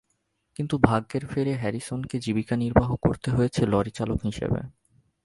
কিন্তু ভাগ্যের ফেরে হ্যারিসনকে জীবিকা নির্বাহ করতে হয়েছে লরি চালক হিসেবে।